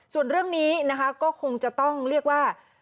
ส่วนเรื่องนี้นะคะก็คงจะต้องเรียกว่า